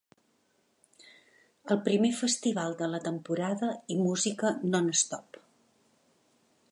El primer festival de la temporada i música ‘non stop’